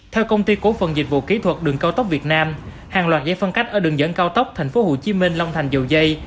theo công ty cổ phần dịch vụ kỹ thuật đường cao tốc việt nam hàng loạt giải phân cách ở đường dẫn cao tốc tp hcm long thành dầu dây